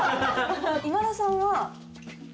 今田さんははい。